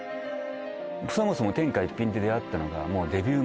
そもそも天下一品と出会ったのがもうデビュー前